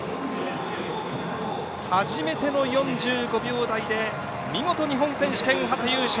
初めての４５秒台で見事、日本選手権初優勝。